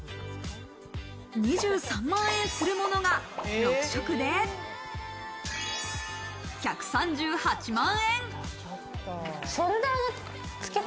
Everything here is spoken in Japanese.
２３万円するものが、６色で１３８万円。